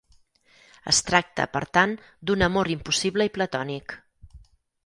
Es tracta, per tant, d'un amor impossible i platònic.